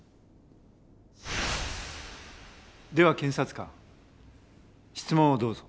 では検察官質問をどうぞ。